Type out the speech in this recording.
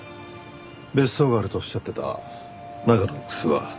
別荘があるとおっしゃっていた長野奥諏訪。